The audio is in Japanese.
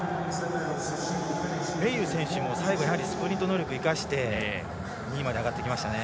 メイユー選手も最後スプリント能力を生かして２位まで上がってきましたね。